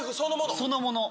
そのもの。